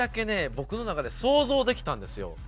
僕の中で想像できたんですよ。